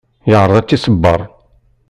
Yeεreḍ ad tt-iṣebber.